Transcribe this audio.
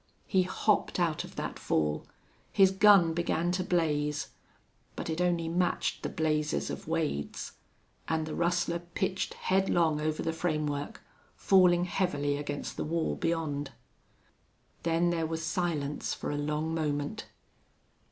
He hopped out of that fall. His gun began to blaze. But it only matched the blazes of Wade's. And the rustler pitched headlong over the framework, falling heavily against the wall beyond. Then there was silence for a long moment.